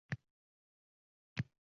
Biz o'zingizni hurmat qilyapmiz.